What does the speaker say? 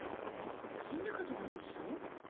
死んだかと思うでしょ。